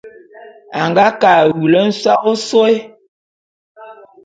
A nga ke a wulu nsa'a ôsôé.